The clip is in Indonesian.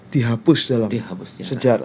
dihapus dalam sejarah